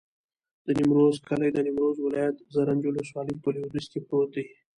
د نیمروز کلی د نیمروز ولایت، زرنج ولسوالي په لویدیځ کې پروت دی.